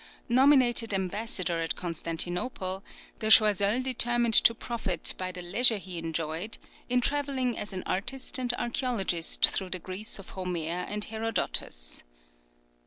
Nominated ambassador at Constantinople, De Choiseul determined to profit by the leisure he enjoyed in travelling as an artist and archæologist through the Greece of Homer and Herodotus.